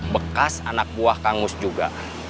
bekas anak buah kangus juga